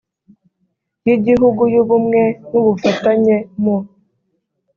y igihugu y ubumwe n ubufatanye mu